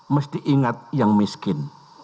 mesti ingat yang miskin